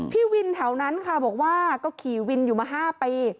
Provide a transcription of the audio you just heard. พี่วินแถวนั้นค่ะบอกว่าก็ขี่วินอยู่มา๕ปี